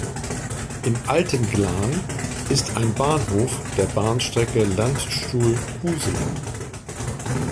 In Altenglan ist ein Bahnhof der Bahnstrecke Landstuhl–Kusel.